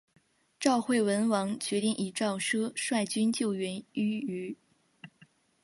赵惠文王决定让赵奢率军救援阏与。